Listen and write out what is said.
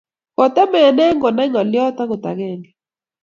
Kotemenee konai ng'alyot agot akenge.